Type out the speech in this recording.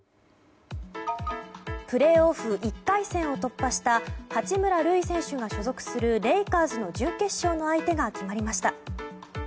プレーオフ１回戦を突破した八村塁選手が所属するレイカーズの準決勝の相手が決まりました。